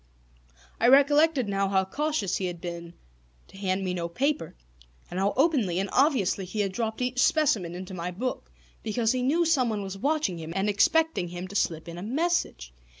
I recollected now how cautious he had been to hand me no paper, and how openly and obviously he had dropped each specimen into my book; because he knew someone was watching him and expecting him to slip in a message.